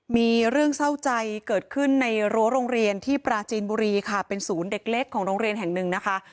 มีเรื่องเศร้าใจเกิดขึ้นในรั้วโรงเรียนที่ปราจีนบุรีค่ะเป็นศูนย์เด็กเล็กของโรงเรียนแห่งหนึ่งนะคะ